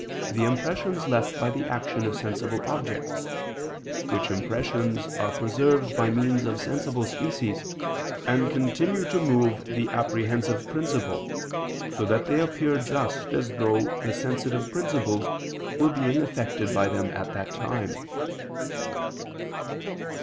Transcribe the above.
the impressions left by the action of sensible objects, which impressions are preserved by means of sensible species, and continue to move the apprehensive principle, so that they appear just as though the sensitive principles were being affected by them at the time."